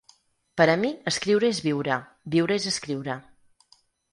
Per a mi escriure és viure, viure és escriure.